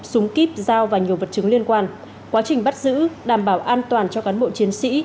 súng kíp giao và nhiều vật chứng liên quan quá trình bắt giữ đảm bảo an toàn cho cán bộ chiến sĩ